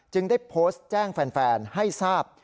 ได้โพสต์แจ้งแฟนให้ทราบ